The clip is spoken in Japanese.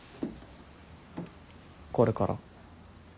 これから。